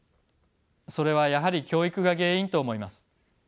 それはやはり教育が原因と思います。